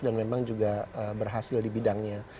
dan memang juga berhasil di bidangnya